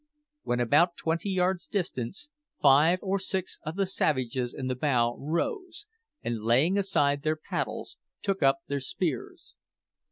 When about twenty yards distant, five or six of the savages in the bow rose, and laying aside their paddles, took up their spears.